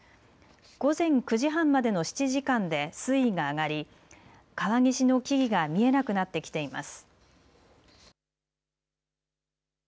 午前９時半までの７時間で水位が上がり川岸の木々が見えなくなってきています。